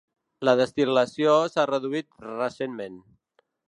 La destil·lació s'ha reduït recentment.